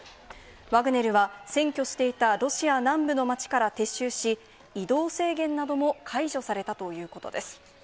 ワグネルは、占拠していたロシア南部の町から撤収し、移動制限なども解除されたということです。